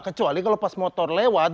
kecuali kalau pas motor lewat